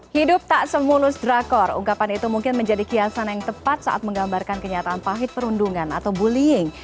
hidup tak semulus drakor ungkapan itu mungkin menjadi kiasan yang tepat saat menggambarkan kenyataan pahit perundungan atau bullying